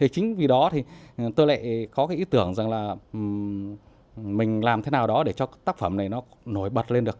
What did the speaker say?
chính vì đó tôi lại có ý tưởng rằng là mình làm thế nào đó để cho tác phẩm này nổi bật lên được